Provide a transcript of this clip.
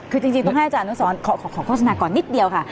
คือจริงต้องให้อาจารย์อนุสรขอโฆษณาก่อนนิดเดียวค่ะ